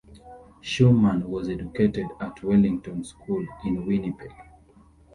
Shewman was educated at Wellington School in Winnipeg.